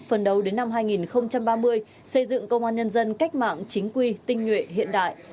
phần đầu đến năm hai nghìn ba mươi xây dựng công an nhân dân cách mạng chính quy tinh nhuệ hiện đại